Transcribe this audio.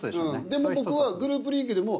でも僕はグループリーグでも。